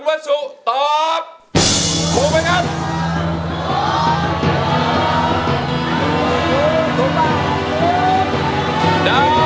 สวัสดีครับ